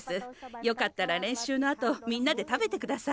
よかったられんしゅうのあとみんなで食べてください。